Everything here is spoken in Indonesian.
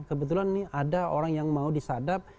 kebetulan ini ada orang yang mau disadap